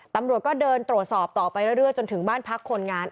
ตำรวจก็เดินตรวจสอบต่อไปเรื่อยจนถึงบ้านพักคนงาน